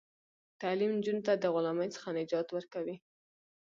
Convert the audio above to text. تعلیم نجونو ته د غلامۍ څخه نجات ورکوي.